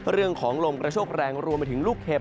เรื่องของลมกระโชคแรงรวมไปถึงลูกเห็บ